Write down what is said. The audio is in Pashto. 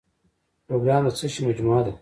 پروګرام د څه شی مجموعه ده؟